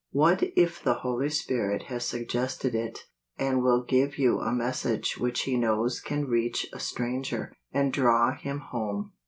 What if the Holy' Spirit has sug¬ gested it, and will give you a message which He knows can reach a stranger, and draw him home